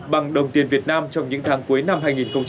bằng đồng tiền việt nam trong những tháng cuối năm hai nghìn hai mươi